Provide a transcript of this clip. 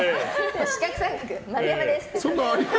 四角、三角、丸山です。